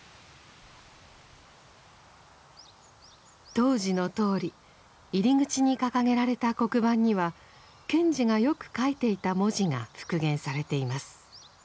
当時のとおり入り口に掲げられた黒板には賢治がよく書いていた文字が復元されています。